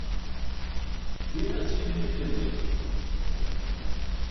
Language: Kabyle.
Dima teskidib fell-ak.